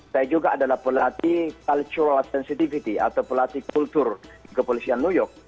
saya juga adalah pelatih cultural sensitivity atau pelatih kultur kepolisian new york